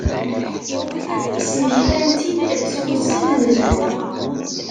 Smektan-tt-id s wussan n zzhu.